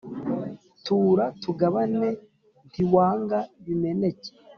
tura tugabane ntiwanga bimeneke